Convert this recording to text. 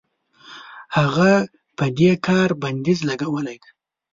هغه په دې کار بندیز لګولی دی.